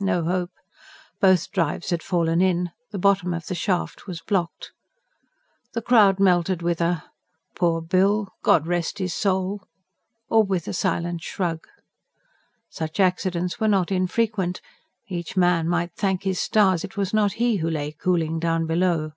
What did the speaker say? No hope: both drives had fallen in; the bottom of the shaft was blocked. The crowd melted with a "Poor Bill God rest his soul!" or with a silent shrug. Such accidents were not infrequent; each man might thank his stars it was not he who lay cooling down below.